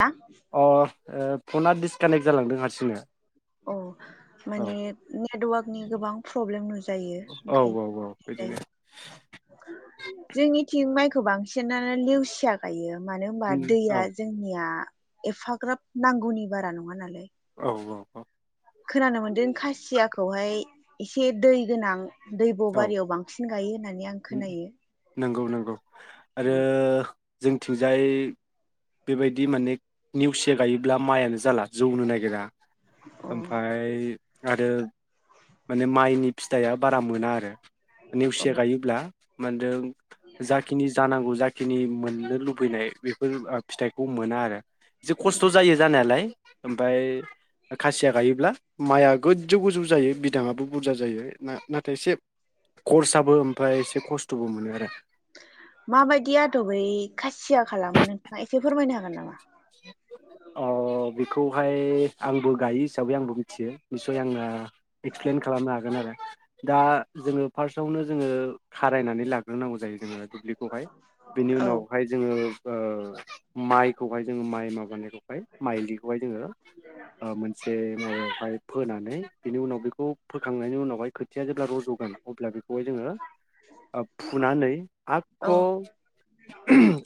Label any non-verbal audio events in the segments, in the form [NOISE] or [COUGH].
औ अ ओ फ'ना डिसकानेक्ट जालांदों हारसिंनो। औ औ माने नेटवार्क नि गोबां प्रब्लेम नुजा यो औ औ औ बिदिनो ओंखायनो। जोंनिथिं माइ खौ बांसिनानो लेवसिया गायो, मानो होमबा उम औ दैया जोंनिया एफाग्राब नांगौनि बारा नङा नालाय। औ औ औ। खोनानो मोन्दों खासियाखौहाय एसे दै गोनां दैब' औ बारियाव बांसिन गायो होननानै आं खोनायो। नोंगौ नोंगौ। आरो अ जोंथिंजाय बेबायदि माने नेवसिया गायोब्ला माइयानो जाला जौनो नागिरा। ओमफाय आरो माने माइनि फिथाइया बारा मोना आरो। औ नेवसिया गायोब्ला मोनदों जाखिनि जानांगौ जा जिखिनि मोननो लुबैनाय बेफोर फिथाइखौ मोना आरो। एसे खस्थ' जायो जानायालाय ओमफ्राय खासिया गायोब्ला माइआ गोजौ गोजौ जायो। बिदाङाबो बुरजा जायो नाथाय एसे खरसाबो ओमफ्राय एसे खस्थ'बो मोनो आरो। माबायदि आदबै खासिया खालामो नोंथाङा एसे फोरमायनो हागोन नामा? अ बेखौहाय आंबो गायो हिसाबै आंबो मिथियो निसय आङो एक्सप्लेन खालामनो हागोन आरो। दा जोङो फार्स्टआवनो जोङो खारायनानै लाग्रोनांगौ जायो जोङो दुब्लिखौहाय बिनि औ उनावहाय जोङो ओ माइखौहाय जोङो माइ माबानायखौ ओमफ्राय माइलिखौहाय जोङो मोनसे माय ओमफ्राय फोनानै बिनि उनाव बेखौ फोखांनायनि उनावहाय [UNINTELLIGIBLE] जेब्ला रज'गोन अब्ला बेखौहाय जोङो फुनानै आख' औ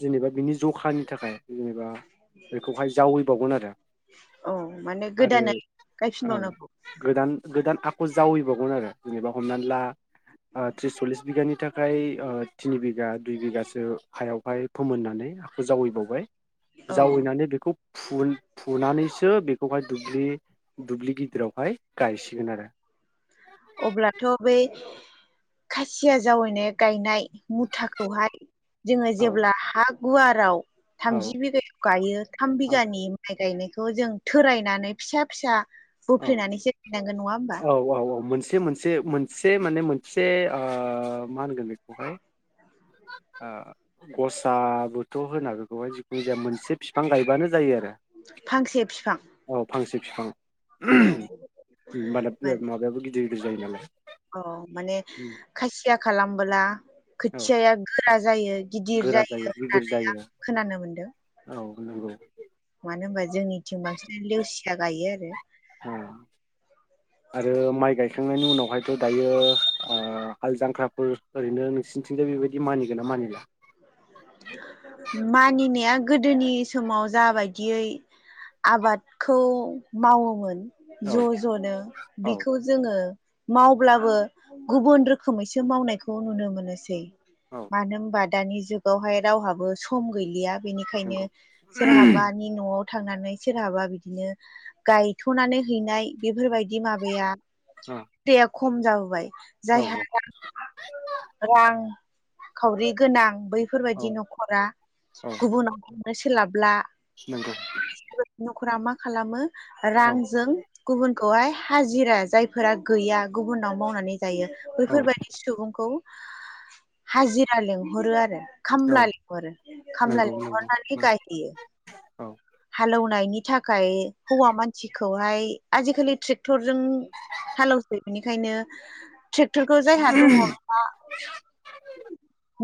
जेनेबा बिनि जखानि थाखाय जेनेबा बेखौहाय जावैबावगोन आरो औ माने आरो गोदानै ओ गायफिनबावनांगौ गोदान गोदान आख' जावैबावगोन आरो जेनेबा हमनानै ला त्रिस सल्लिस बिगानि थाखाय थिनि बिगा दुइ बिगासो हायावहाय फोमोननानै आखाखौ जावैबावबाय। औ जावैनानै बेखौ फु-फुनानैसो बेखौहाय दुब्लि दुब्लि गिदिरावहाय गायसिगोन आरो। अब्लाथ' बै खासिया जावैनाय गायनाय मुथाखौहाय जोङो औ जेब्ला हा गुवाराव औ थामजि बिगायाव गायो थाम बिगानि माइ गायनायखौ [UNINTELLIGIBLE] जों थोरायनानै फिसा फिसा औ बोफ्लेनानैसो गायनांगोन नङा होमबा औ औ औ मोनसे मोनसे से मोनसे माने मोनसे ओ मा होनगोन बेखौहाय ओ गसा बोथ' होना बेखौहाय जिखुनु जाया मोनसे बिफां गायबानो जायो आरो फांसे बिफां औ फांसे। फिफां औ [UNINTELLIGIBLE] माब्ला बो गिदिर। जायो नालाय। अ माने खासिया खालामबोला खोथ औ थियाया गोरा जायो। बेयो गिदिर गोरा जायो गिदिर होननानै जायो आं खोनानो मोनदों। औ नंगौ। मानो होनबा जोंनिथिं बांसिनानो लेवसि या गायो आरो। औ आरो माइ गायखांनायनि उनाव हायथ' दायो आ हालजांख्रा ओ ओरैनो नोंसिनि थिंजाय बेबायदि मानिगोन ना मानिला? मानिनाया गोदोनि समाव जाबायदियै आबादखौ मावोमोन औ ज' ज'नो औ बिखौ जोङो मावब्लाबो गुबुन रोखोमैसो मावनायखौ नुनो मोनोसै। औ मानो होमबा दानि जुग गावहाय रावहाबो सम गैलिया। बेनिखायनो नंगौ सोरहाबानि न'आव थांनानै सोरहाबा बिदिनो गायथ'नानै हैनाय बेफोरबायदि माबाया औ गैया। खम जाबोबाय। औ जायहा रां रां खावरि गोनां बै औ फोरबायदि न'खरा गुबुनाव नो सोलाबला। नोंगौ। न'खरा मा खालामो रांजों गुबुनखौहाय हाजिरा जायफोरा गैया गुबुनाव मावनानै जायो औ बैफोरबायदि सुबुंखौ हाजिरा लिंहरो आरो खामला लेंहरो खामला नंगौ नंगौ लेंहरनानै गायहोयो औ हालौ नायनि थाखाय हौवा मानसिखौहाय आजिखालि ट्रेक्टरजों हालौसै बेनिखायनो ट्रेक्टरखौ जायहा दङ बा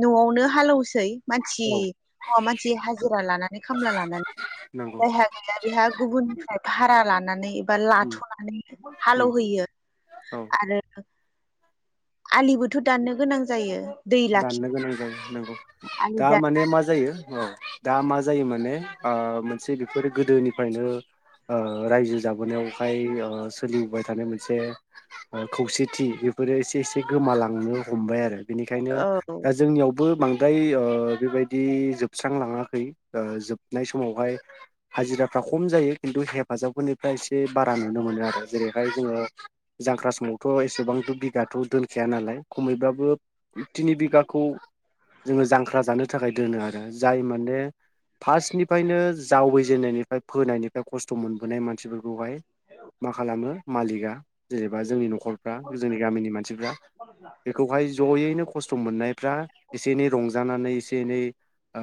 न'आवनो हालौवस सै मानसि औ हौवा मानसि हाजिरा लानानै खामला लानानै नंगौ जायहा गैया बेहा गुबुननिफ्राय भारा लानानै एबा उम लाथ'नानै उम हालेवहोयो औ आरो आलिबोथ' दाननो गोनां जायो दै लाखि दाननो गोनां जायो नोंगौ आलि दा दान माने मा जायो औ दा मा जायो माने अ मोनसे बेफोरो गोदोनिफ्रायनो ओ रायजो जाबोनायावहाय ओ सोलिबोबाय थानाय मोनसे खौसेथि बेफोरो एसे-एसे गोमालांनो हमबाय आरो बेनि बेंखायनो औ दा जोंनियावबो बां द्राय ओ बेबायदि जोबस्रांलाङाखै ओ जोबनाय समावहाय हाजिराफ्रा खम जायो खिन्थु हेफाजाबफोरनिफ्राय एसे बारा नुनो मोनो आरो जेरैहाय जोङो जांख्रा समावथ' बेसेबांथ' बिगाथ' दोनखाया नालाय खमैबाबो थिनि बिगाखौ जोङो जांख्रा जानो थाखाय दोनो आरो जाय माने फासनिफ्रायनो जावैजेननायनिफ्राय फोनायनिफ्राय खस्थ' मोनबोनाय मानसिफोरखौ बेखौहाय मा खालामो मालिकआ जेनेबा जोंनि न'खरफ्रा जोंनि गामिनि मानसिफ्रा बेखौहाय ज'यैनो खस्थ' मोननायफ्रा इसे इनै रंजानानै इसे इनै ओ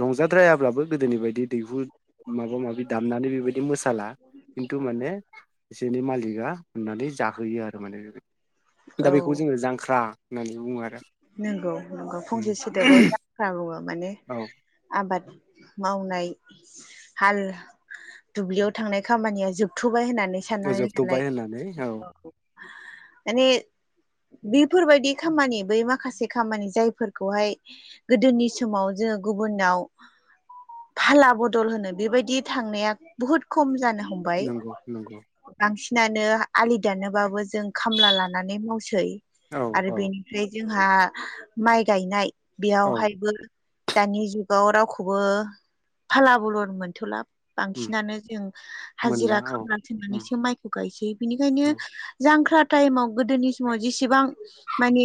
रंजाद्रायाब्लाबो गोदोनि बायदि दैहु माबा माबि दामनानै बेबायदि मोसाला खिन्थु माने बिसोरनि मालिकआ अननानै जाहोयो आरो माने दा औ बेखौ जोङो जांख्रा नानि बुङो आरो नंगौ नंगौ फंसे सोदोबाव जांख्रा बुङो। माने औ आबाद मावनाय हाल दुब्लियाव थांनाय खामानिया जोबथ'बाय होननानै साननानै जोबथ'बाय लानाय होननानै औ माने बेफोरबायदि खामानि बै माख माखासे खामानि जायफोरखौहाय गोदोनि समाव जोङो गुबुनाव फाला बदल होनो बेबायदि थांनाया बुहुत खम जानो हमबाय नंगौ नंगौ बांसिनानो हा आलि दानोबाबो जों खामला लानानै मावसै। औ आरो औ बेनिफ्राय हा माइ गायनाय औ बेयावहायबो दानि जुगाव रावखौबो फाला बलर मोनथला उम बांसिनानो जों मोनला हाजिरा औ खामला उम थोननानैसो माइखौ गायसै बिनिखायनो औ जांख्रा टाइमाव गोदोनि समाव जेसेबां माने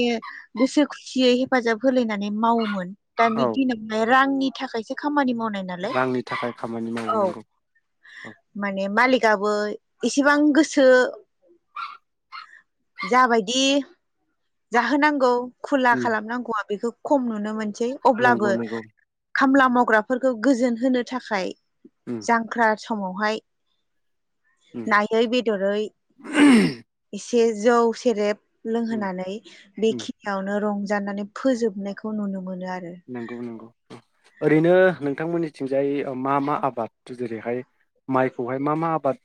गोसो खुसियै हेफाजाब होलायनाय माने मावोमोन औ दानि दिनावहाय रांनि थाखायसो खामानि मावनो रांनि थाखाय खामानि मावनांगौ माने मालिक आबो एसेबां गोसो जाबायदि जाहोनांगौ खुला उम खालामनांगौआ बेखौ खम नुनो मोन सै अब्लाबो नंगौ नंगौ खामला मावग्राफोरखौ गोजोन होनो थाखाय उम जांख्रा समावहाय उम नायै बेदरै एसे [INAUDIBLE] एसे जौ सेरेब उम लोंहोनानै उम बेखि रंजानानै फोजोबनायखौ नुनो मोनो आरो नोंगौ नोंगौ ओरैनो नोंथांमोननिथिंजाय मा मा आबाद जेरैहाय माइखौहाय मा मा आबाद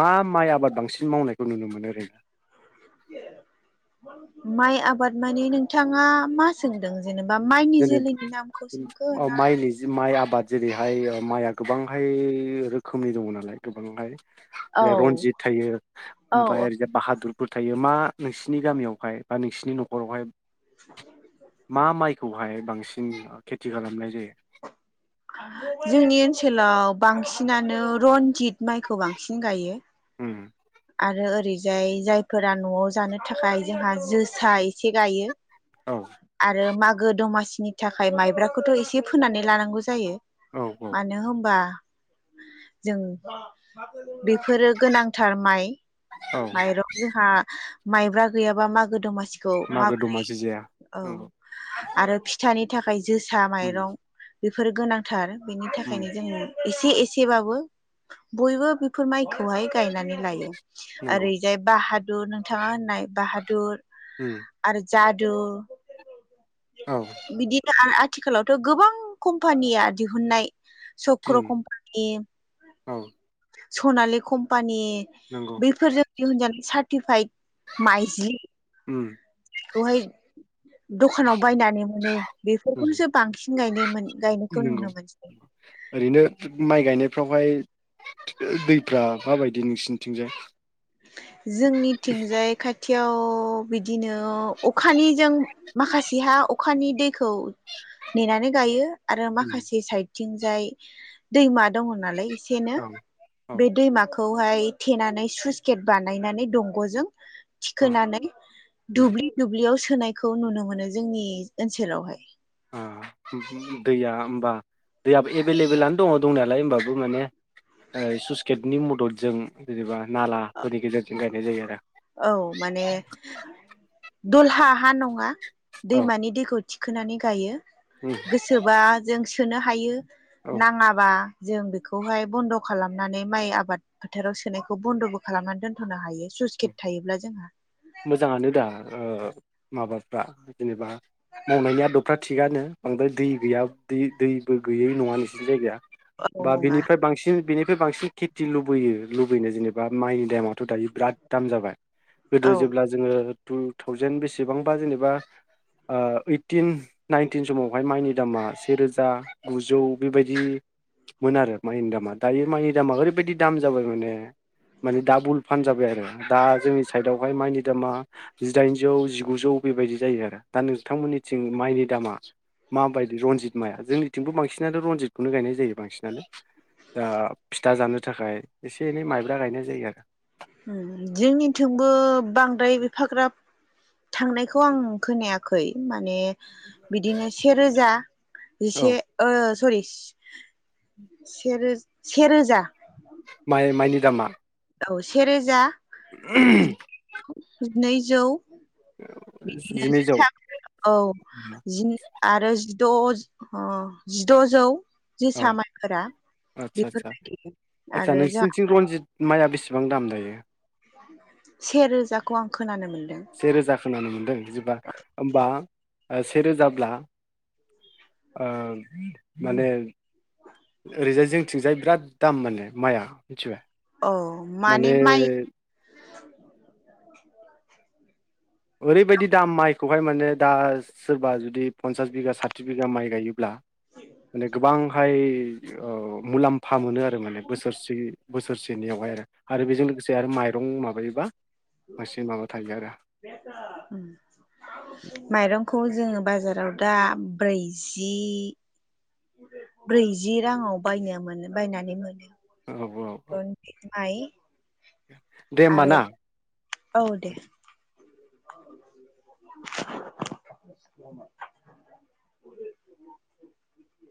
मा माइ आबाद बांसिन मावनायखौ नुनो मोनो ओरैनो माइ आबाद मानि नोंथाङा मा सोंदों जेनेबा माइनि जेनेबा जोलैनि नामखौ सोंखो ना बाद जेरैहाय माइआ गोबांहाय रोखोमनि दंङ नालाय गोबांहाय औ रनजित थायो औ ओमफ्राय ओरैज बाहादुर बोथायो मा [UNINTELLIGIBLE] नोंसिनि गामियावहाय बा नों नोंसिनि नखरावहाय [UNINTELLIGIBLE] खौहाय बांसिन खेथि खालामनाय जायो जोंनि ओनसोलाव बांसिनानो रनजित माइखौ बांसिन गायो। ओम। आरो ओरैजाय जायफोरा नआव जानो थाखाय जोंहा जोसा एसे गायो औ आरो माग गो दमासिनि थाखाय माइब्राखौथ एसे फोनानै लानांगौ जायो। औ औ मानो होनबा जों बेफोरो गोनांथार माइ औ माइरं जोंहा माइब्रा गैयाबा मागो दमा खौ मागो माबोरै दमासि जाया औ। नंगौ आरो फिथानि थाखाय जोसा उम माइरं। बेफोरो गोनांथार। बेनि उम थाखायनो जोंङो एसे एसेबाबो बयबो बेफोर माइखौहाय गायनानै नंगौ ओरैजाय बाहा दुर नोंथाङा होननाय बाहादुर उम। आरो जादु औ बिदिनो आ आ आथिखालावथ गोबां कम्पानिया दिहुननाय सक्र उम कम्पानि, औ सनालि कम्पानि नंगौ [INAUDIBLE] फोरजों दिहुनजानाय सार्टिफाइद माइज्लि उम खौहाय दखानाव बायनानै मोनो। ओम बेफोरखौसो बांसिन गायनो मोन गायनायखौ नंगौ नुनो मोनसै नोंगौ। ओरैनो माइ गायनायफ्रावहाय ओ दैफ्रा माबायदि नोंसिनिथिंजाय? [INAUDIBLE] जोंनिथिंजाय खा खाथियाव बिदिनो अखानिजों माखासेहा अखानि दैखौ नेनानै गायो आरो उम माखासे साइद थिंजाय दैमा दङ नालाय सेनो औ औ बे दैमा खौहाय थेनानै सुइसग गेट बानायनानै दंगजों औ थिखोनानै उम दुब्लि दुब्लियाव सोनायखौ नुनो मोनो जोंनि ओनसोलावहाय। ओ उम दैया होमबा दैयाबो एबेल लेबेलानो दङ दंनायालाय होमबाबो माने सुइसगेटनि मददजों जेनेबा नालाफोरनि गेजेरजों गायनाय जायो आरो। [INAUDIBLE] औ माने दलहा हा नङा। औ दैमानि दैखौ थिखोनानै गायो। उम गोसोबा जों सिख सोनो हायो। औ नाङाबा जों बेखौहाय बन्द' खालामनानै माइ आबाद फोथाराव सोनायखौ बन्द'बो खालामनानै दोनथ'नो हायो। स्लुइस गेट थायोब्ला जोंहा [INAUDIBLE] मोजाङानो दा ओ माबाफ्रा जेनेबा मावनायनि आदबफ्रा थिगानो बांद्राय दै गैया दै-दैबो गैयै नङा नोंसोरनि जायगाया। औ बा नङा बिनिफ्राय बांसिन बिनि बे बांसिन खेथि लुबैयो लुबैनो जेनेबा माइनि दामाथ' दायो दाम जाबाय गोदो औ जेब्ला जोङो टु थावजेेन बेसेबांबा जेनेबा ओ ओइटिन नाइनटिन समावहाय माइनि दामा सेे रोजा गुजौ बेबायदिमोन आरो माइनि दामा दायो माइनि दामा ओरैबायाददि दाम जाबाय माने माने दाबल फान जाबाय आरो। दा जोंनि साइडआवहाय माइनि दामा जिदाइनजौ जिगुजौ बेबायदि जायो आरो दा नोंथांमोननिथिं माइनि दामा माबायदि रनजित माया जोंनि थिंबो बांसिनानो रनजितखौनो गायनाय जायो बांसिनानो दा फिथा जानो थाखाय एसे एनै माइब्रा गायनाय जायो आरो। ओम जोंनिथिंबो बांद्राय बे फाग्राब थांनायखौ आं खोनायाखै माने बिदिनो सेेरोजा जिसे औ ओ सरि सेे रो सेेरोजा माइ माइनि दामा? औ सेेरोजा ओहोम। जिनैजौ बिदिनो जिनैजौ [UNINTELLIGIBLE] औ जिनि आरो जिन द' ओ जिद'जौ औ जोसा माइफोरा आदसा आदसा बेफोरबायदि आदसा आरो जोहा नोंसिनिथिं रनजित माइआ बेसेबां दाम दायो? से रोजाखौ आं खोनानो मोन से रोजा खोनानो मोनदों जबा होमबा से रोजाब्ला माने ओरैजाय जिंथिंजाय बिराद दाम माने माइआ। मिथिबाय औ माने [INAUDIBLE] ओरैबायदि दाम माइखौहाय माने दा सोरबा जुदि पन्सास बिगा साथि बिगा माइ गायोब्ला माने गोबांहाय ओ मुलाम्फा मोनो आरो बो बोसोरसेनियावहाय आरो बेजों लोगोसे आरो माइ दं माबायोबा। एसे माबा थायो आरो। [INAUDIBLE] माइरं। खौ जोङो बाजाराव दा बैजि ब्रैजि राङाव बायनो मोनो बायनानै मोनो। औ औ औ रनजिट माइ [INAUDIBLE] होमबा आरो ना औ दे। [INAUDIBLE]